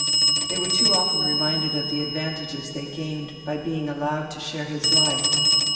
They were too often reminded of the advantages they gained by being allowed to share his life.